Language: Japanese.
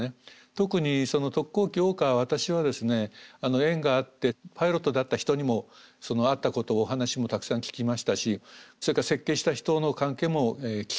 特に特攻機桜花は私はですね縁があってパイロットだった人にもあったことをお話もたくさん聞きましたしそれから設計した人の関係も聞きました。